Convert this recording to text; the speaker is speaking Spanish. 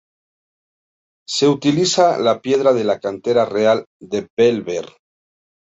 Se utiliza la piedra de la cantera real de Bellver.